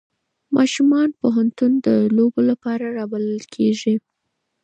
ماشومان پوهنتون ته د لوبو لپاره رابلل کېږي.